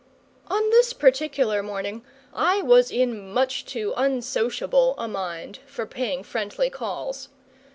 On this particular morning I was in much too unsociable a mind for paying friendly calls.